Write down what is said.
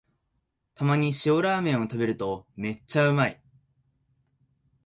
たまに塩ラーメンを食べるとめっちゃうまい